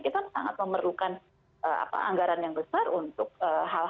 kita sangat memerlukan anggaran yang besar untuk hal hal